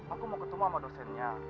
aku mau ketemu sama dosennya